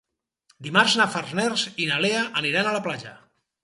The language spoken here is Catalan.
Dimarts na Farners i na Lea aniran a la platja.